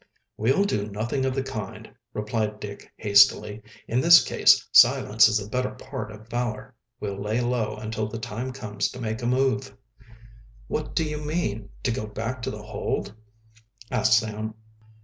"We'll do nothing of the kind," replied Dick hastily. "In this case silence is the better part of valor. We'll lay low until the time comes to make a move." "What, do you mean to go back to the hold?" asked Sam.